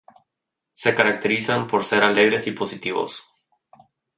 Se caracterizan por ser alegres y positivos.